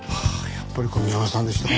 やっぱり小宮山さんでしたか。